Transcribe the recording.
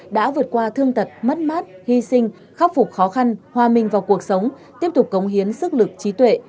đã vượt qua thương tật mất mát hy sinh khắc phục khó khăn hòa minh vào cuộc sống tiếp tục cống hiến sức lực trí tuệ